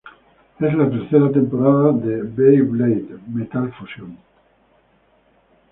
Es la tercera temporada de "Beyblade: Metal Fusion".